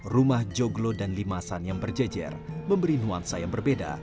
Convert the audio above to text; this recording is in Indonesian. rumah joglo dan limasan yang berjejer memberi nuansa yang berbeda